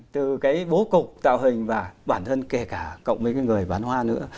từ cái bố cục tạo hình và bản thân kể cả cộng với cái người bán hoa nữa